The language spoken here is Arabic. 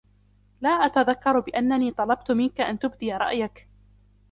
لا أتذكر بأنني طلبت منك أن تبدي رأيك